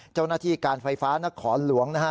เจ้าหน้าที่การไฟฟ้านครหลวงนะฮะ